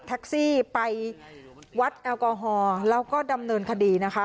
แท็กซี่ไปวัดแอลกอฮอล์แล้วก็ดำเนินคดีนะคะ